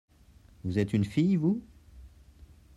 Vous êtes une fille-vous ?